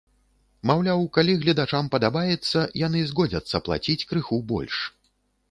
Маўляў, калі гледачам падабаецца, яны згодзяцца плаціць крыху больш.